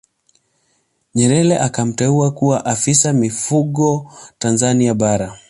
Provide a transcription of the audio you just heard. Nyerere akamteua kuwa Afisa Mifugo Tanzania Bara